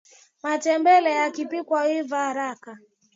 matembele yakipikwa huiva haraka